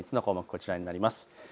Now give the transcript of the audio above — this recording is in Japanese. こちらになります。